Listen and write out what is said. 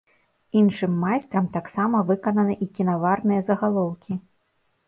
Іншым майстрам таксама выкананы і кінаварныя загалоўкі.